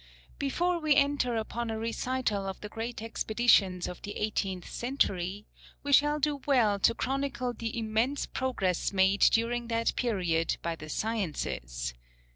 Before we enter upon a recital of the great expeditions of the eighteenth century, we shall do well to chronicle the immense progress made during that period by the sciences.